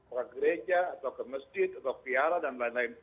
ke gereja atau ke masjid atau kiara dan lain lain